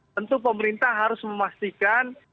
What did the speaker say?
tentu pemerintah harus memastikan